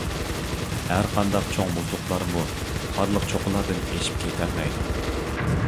ھەرقانداق چوڭ مۇزلۇقلارمۇ قارلىق چوققىلاردىن ئېشىپ كېتەلمەيدۇ.